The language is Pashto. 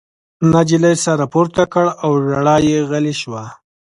نجلۍ سر راپورته کړ او ژړا یې غلې شوه